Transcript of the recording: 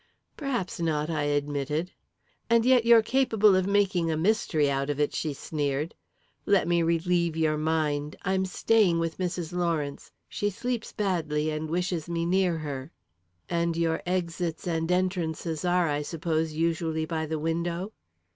"Perhaps not," I admitted. "And yet you're capable of making a mystery out of it!" she sneered. "Let me relieve your mind I'm staying with Mrs. Lawrence. She sleeps badly, and wishes me near her." "And your exits and entrances are, I suppose, usually by the window?"